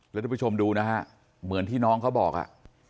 แล้วทุกผู้ชมดูนะฮะเหมือนที่น้องเขาบอกอ่ะ